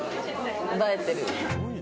映えてる。